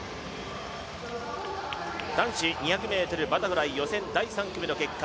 男子２００ｍバタフライ予選第３組の結果。